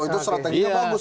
itu strateginya bagus